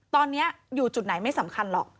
ตอนนี้อยู่จุดไหนไม่สำคัญหรอก